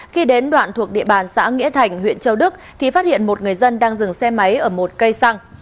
khi đến đoạn thuộc địa bàn xã nghĩa thành huyện châu đức thì phát hiện một người dân đang dừng xe máy ở một cây xăng